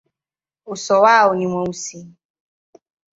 Uso wao ni mweusi.